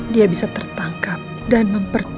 dia bisa tertangkap dan memperbaiki diri